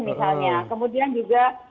misalnya kemudian juga